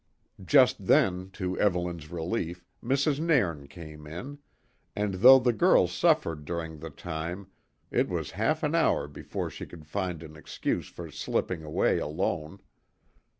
Just then, to Evelyn's relief, Mrs. Nairn came in, and though the girl suffered during the time, it was half an hour before she could find an excuse for slipping away alone.